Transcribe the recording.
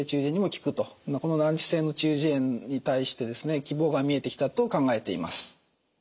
この難治性の中耳炎に対して希望が見えてきたと考えています。